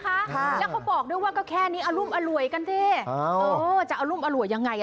ค่ะแล้วเขาบอกด้วยว่าก็แค่นี้อรุมอร่วยกันดิเออจะเอารุ่มอร่วยยังไงอ่ะ